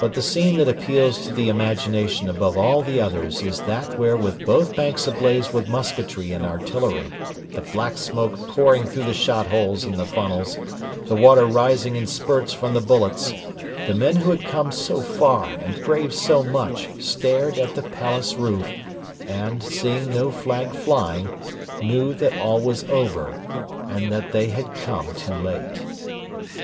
But the scene that appeals to the imagination above all the others is that where with both banks ablaze with musketry and artillery, the black smoke pouring through the shot holes in the funnels, the water rising in spurts from the bullets, the men who had come so far and braved so much stared at the palace roof and, seeing no flag flying, knew that all was over and that they had come too late.